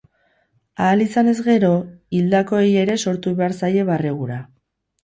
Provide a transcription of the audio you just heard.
Ahal izanez gero, hildakoei ere sortu behar zaie barregura.